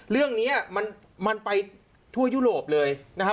เรื่องนี้มันไปทั่วยุโรปเลยนะครับ